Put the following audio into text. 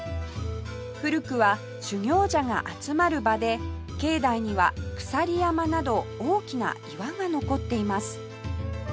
古くは修行者が集まる場で境内にはくさり山など大きな岩が残っています